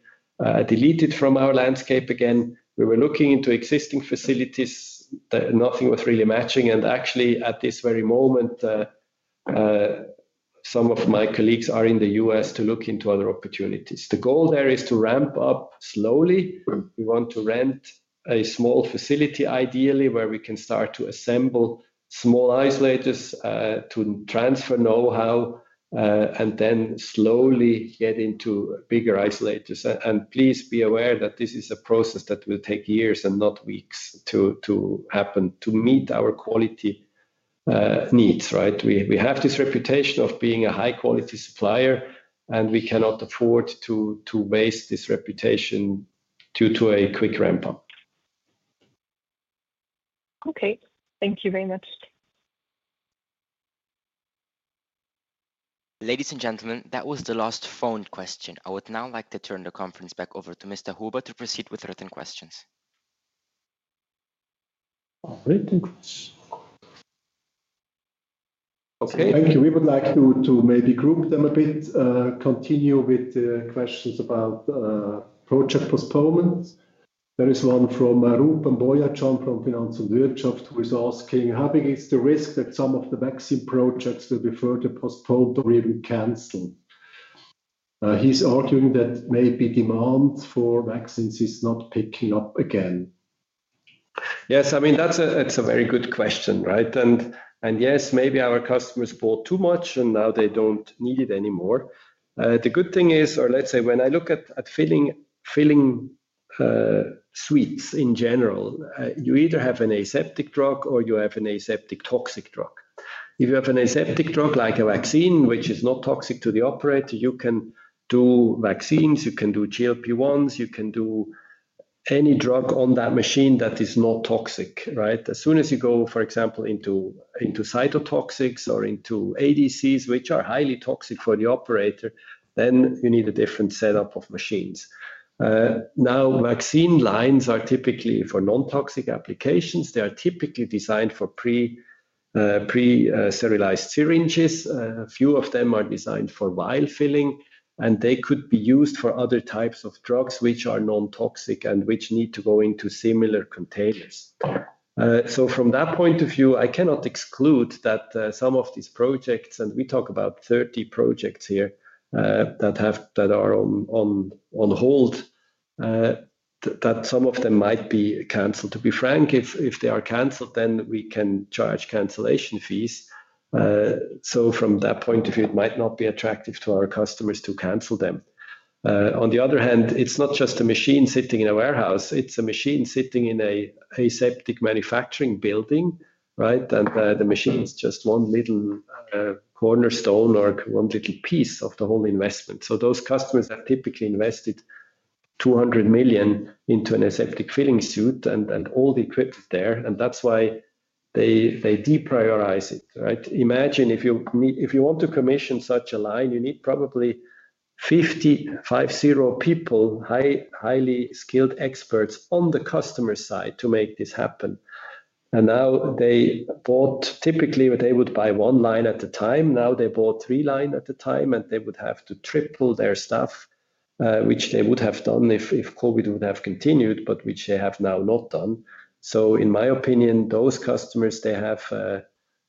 deleted from our landscape again. We were looking into existing facilities. Nothing was really matching. At this very moment, some of my colleagues are in the U.S. to look into other opportunities. The goal there is to ramp up slowly. We want to rent a small facility, ideally, where we can start to assemble small isolators to transfer know-how and then slowly get into bigger isolators. Please be aware that this is a process that will take years and not weeks to happen to meet our quality needs, right? We have this reputation of being a high-quality supplier, and we cannot afford to waste this reputation due to a quick ramp-up. Okay, thank you very much. Ladies and gentlemen, that was the last phone question. I would now like to turn the conference back over to Mr. Huber to proceed with written questions. Written questions. Okay. Thank you. We would like to maybe group them a bit, continue with the questions about project postponements. There is one from Rupen Boyacan from Financial Wirtschaft, who is asking, how big is the risk that some of the vaccine projects will be further postponed or even canceled? He's arguing that maybe demand for vaccines is not picking up again. Yes, I mean, that's a very good question, right? Yes, maybe our customers bought too much, and now they don't need it anymore. The good thing is, or let's say, when I look at filling suites in general, you either have an aseptic drug or you have an aseptic toxic drug. If you have an aseptic drug like a vaccine, which is not toxic to the operator, you can do vaccines, you can do GLP-1s, you can do any drug on that machine that is not toxic, right? As soon as you go, for example, into cytotoxics or into ADCs, which are highly toxic for the operator, then you need a different setup of machines. Vaccine lines are typically for non-toxic applications. They are typically designed for pre-sterilized syringes. A few of them are designed for vial filling, and they could be used for other types of drugs which are non-toxic and which need to go into similar containers. From that point of view, I cannot exclude that some of these projects, and we talk about 30 projects here that are on hold, that some of them might be canceled. To be frank, if they are canceled, then we can charge cancellation fees. From that point of view, it might not be attractive to our customers to cancel them. On the other hand, it's not just a machine sitting in a warehouse. It's a machine sitting in an aseptic manufacturing building, right? The machine is just one little cornerstone or one little piece of the whole investment. Those customers have typically invested 200 million into an aseptic filling suite and all the equipment there. That's why they deprioritize it, right? Imagine if you want to commission such a line, you need probably 50, 50 people, highly skilled experts on the customer side to make this happen. They bought typically what they would buy one line at a time. Now they bought three lines at a time, and they would have to triple their staff, which they would have done if COVID would have continued, but which they have now not done. In my opinion, those customers, they have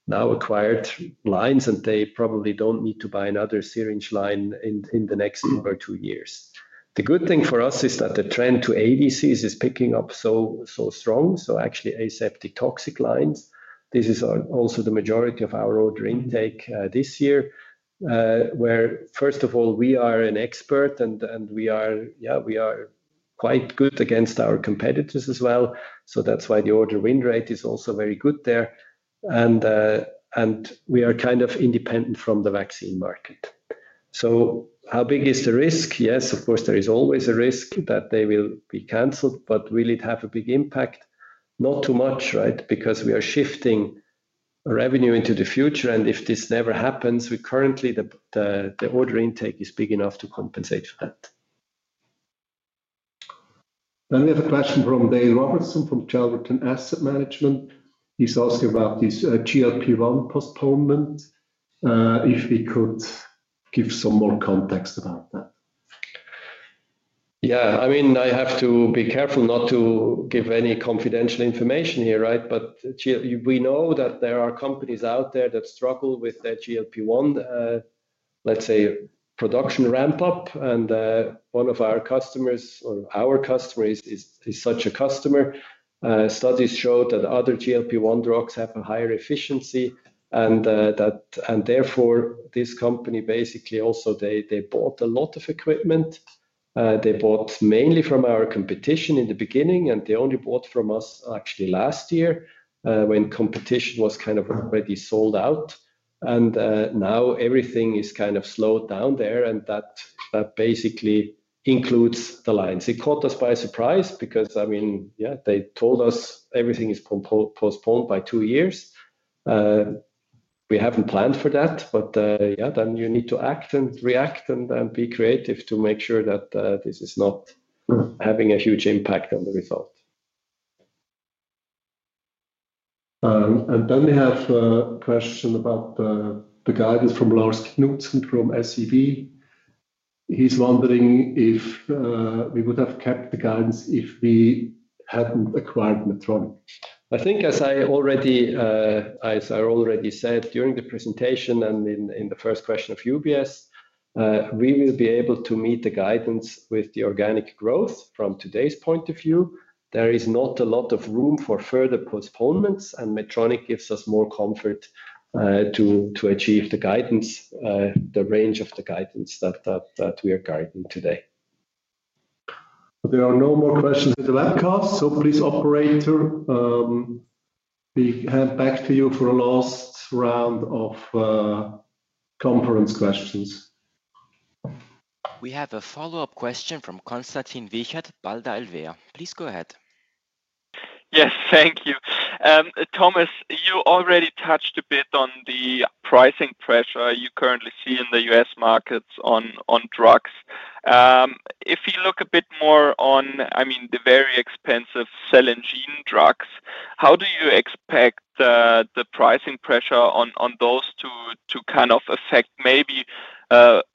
now acquired lines, and they probably don't need to buy another syringe line in the next one or two years. The good thing for us is that the trend to ADCs is picking up so strong. Actually, aseptic toxic lines, this is also the majority of our order intake this year, where, first of all, we are an expert and we are, yeah, we are quite good against our competitors as well. That's why the order win rate is also very good there. We are kind of independent from the vaccine market. How big is the risk? Yes, of course, there is always a risk that they will be canceled, but will it have a big impact? Not too much, right? We are shifting revenue into the future, and if this never happens, we currently, the order intake is big enough to compensate for that. We have a question from Dale Robertson from Chelverton and Asset Management. He's asking about these GLP-1 postponements, if we could give some more context about that. Yeah, I mean, I have to be careful not to give any confidential information here, right? We know that there are companies out there that struggle with GLP-1, let's say, production ramp-up. One of our customers is such a customer. Studies show that other GLP-1 drugs have a higher efficiency. Therefore, this company basically also, they bought a lot of equipment. They bought mainly from our competition in the beginning, and they only bought from us actually last year when competition was kind of already sold out. Now everything is kind of slowed down there. That basically includes the lines. It caught us by surprise because, I mean, yeah, they told us everything is postponed by two years. We haven't planned for that, but yeah, you need to act and react and be creative to make sure that this is not having a huge impact on the result. We have a question about the guidance from Lars Knudsen from SEB. He's wondering if we would have kept the guidance if we hadn't acquired Medtronic. I think, as I already said during the presentation and in the first question of UBS, we will be able to meet the guidance with the organic growth from today's point of view. There is not a lot of room for further postponements, and Medtronic gives us more comfort to achieve the guidance, the range of the guidance that we are guiding today. There are no more questions in the webcast, so please Operator be back to you for a last round of conference questions. We have a follow-up question from Konstantin Wiechert, Baader-Helvea. Please go ahead. Yes, thank you. Thomas, you already touched a bit on the pricing pressure you currently see in the U.S. markets on drugs. If you look a bit more on, I mean, the very expensive cell and gene drugs, how do you expect the pricing pressure on those to kind of affect maybe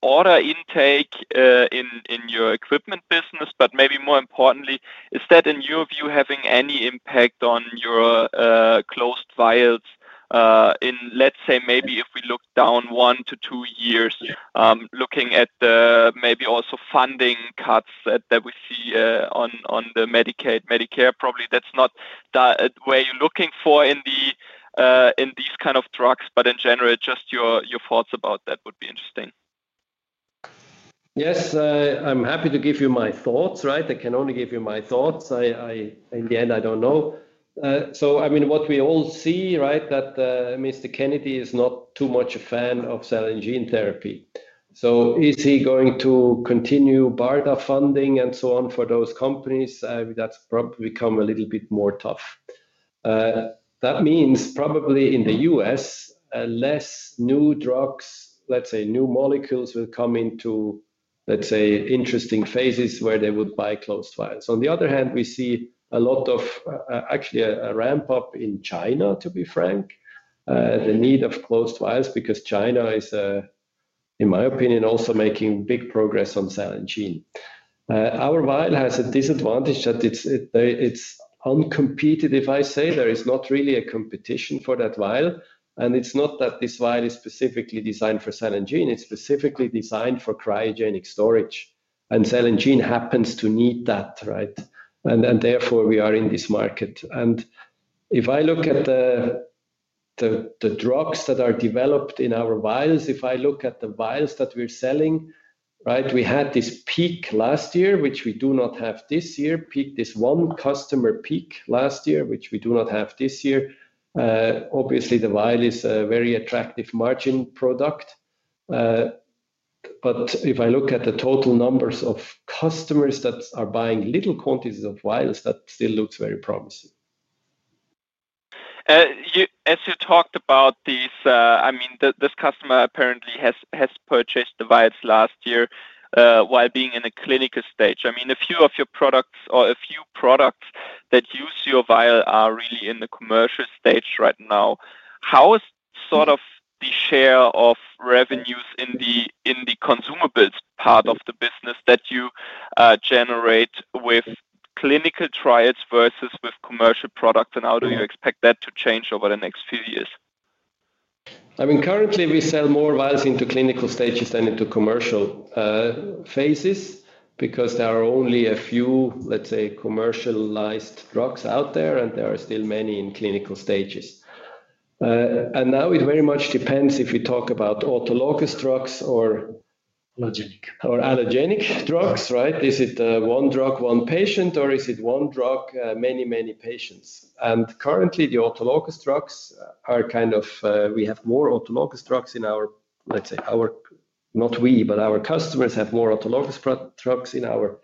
order intake in your equipment business? Maybe more importantly, is that in your view having any impact on your closed vials in, let's say, maybe if we look down one to two years, looking at the maybe also funding cuts that we see on the Medicaid, Medicare, probably that's not where you're looking for in these kind of drugs. In general, just your thoughts about that would be interesting. Yes, I'm happy to give you my thoughts, right? I can only give you my thoughts. In the end, I don't know. What we all see, right, is that Mr. Kennedy is not too much a fan of cell and gene therapy. Is he going to continue BARDA funding and so on for those companies? That's probably become a little bit more tough. That means probably in the U.S., less new drugs, let's say new molecules, will come into, let's say, interesting phases where they would buy closed vials. On the other hand, we see a lot of actually a ramp-up in China, to be frank, the need of closed vials because China is, in my opinion, also making big progress on cell and gene. Our vial has a disadvantage that it's uncompetitive. If I say there is not really a competition for that vial, and it's not that this vial is specifically designed for cell and gene. It's specifically designed for cryogenic storage. Cell and gene happens to need that, right? Therefore, we are in this market. If I look at the drugs that are developed in our vials, if I look at the vials that we're selling, right, we had this peak last year, which we do not have this year. This one customer peak last year, which we do not have this year. Obviously, the vial is a very attractive margin product. If I look at the total numbers of customers that are buying little quantities of vials, that still looks very promising. As you talked about these, I mean, this customer apparently has purchased the vials last year while being clinical stage, I mean a few of your products or a few products that use your vial are really in the commercial stage right now. How is sort of the share of revenues in the consumables part of the business that you generate with clinical trials versus with commercial products? How do you expect that to change over the next few years? I mean, currently we sell more vials into clinical stages than into commercial phases, because there are only a few, let's say, commercialized drugs out there, and there are still many in clinical stages. It very much depends if we talk about autologous drugs or allogeneic drugs, right? Is it one drug, one patient, or is it one drug, many, many patients? Currently the autologous drugs are kind of, we have more autologous drugs in our, let's say, our, not we, but our customers have more autologous drugs in our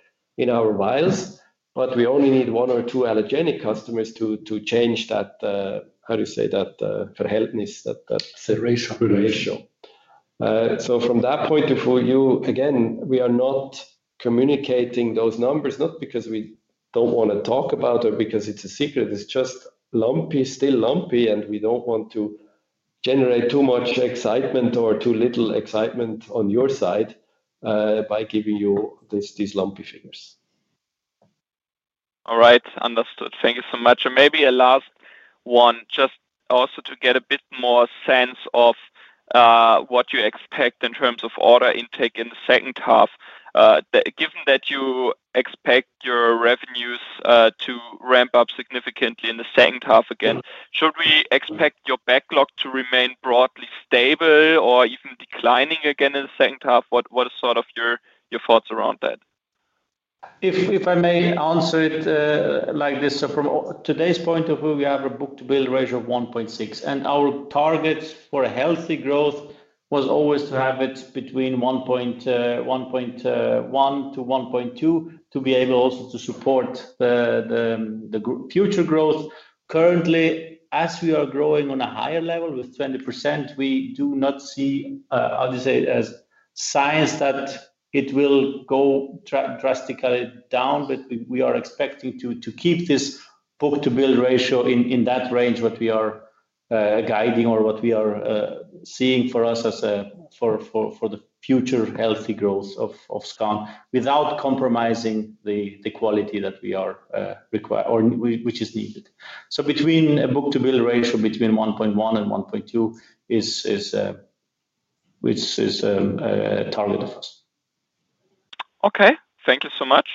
vials, but we only need one or two allogeneic customers to change that, how do you say that, that ratio? From that point of view, again, we are not communicating those numbers, not because we don't want to talk about it or because it's a secret. It's just lumpy, still lumpy, and we don't want to generate too much excitement or too little excitement on your side by giving you these lumpy figures. All right, understood. Thank you so much. Maybe a last one, just also to get a bit more sense of what you expect in terms of order intake in the second half. Given that you expect your revenues to ramp up significantly in the second half again, should we expect your backlog to remain broadly stable or even declining again in the second half? What are sort of your thoughts around that? If I may answer it like this, from today's point of view, we have a book-to-build ratio of 1.6, and our targets for healthy growth are always to have it between 1.1-1.2 to be able also to support the future growth. Currently, as we are growing on a higher level with 20%, we do not see signs that it will go drastically down. We are expecting to keep this book-to-build ratio in that range, what we are guiding or what we are seeing for us as for the future healthy growth of SKAN without compromising the quality that we are required or which is needed. Between a book-to-build ratio between 1.1 and 1.2 is, which is, our little fussy. Okay, thank you so much.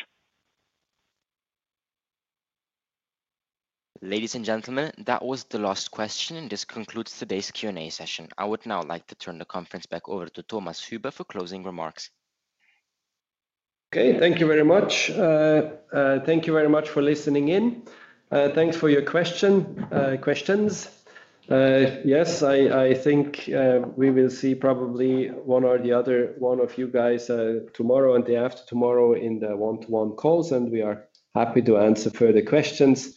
Ladies and gentlemen, that was the last question, and this concludes today's Q&A session. I would now like to turn the conference back over to Thomas Huber for closing remarks. Okay, thank you very much. Thank you very much for listening in. Thanks for your questions. I think we will see probably one or the other, one of you guys, tomorrow and the day after tomorrow in the one-to-one calls, and we are happy to answer further questions.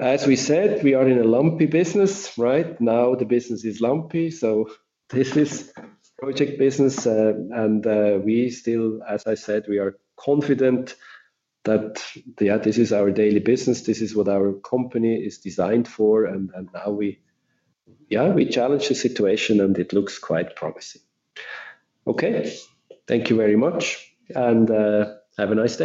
As we said, we are in a lumpy business, right? Now the business is lumpy, so this is project business, and we still, as I said, we are confident that, yeah, this is our daily business. This is what our company is designed for, and now we challenge the situation, and it looks quite promising. Okay, thank you very much, and have a nice day.